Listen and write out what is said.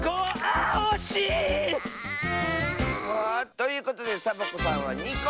ということでサボ子さんは２こ！